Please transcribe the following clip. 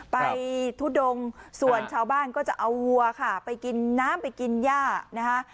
ทุดงส่วนชาวบ้านก็จะเอาวัวค่ะไปกินน้ำไปกินย่านะคะ